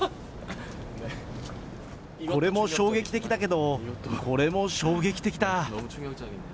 これも衝撃的だけど、これも衝撃的だ。